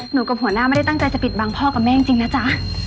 กับหัวหน้าไม่ได้ตั้งใจจะปิดบังพ่อกับแม่จริงนะจ๊ะ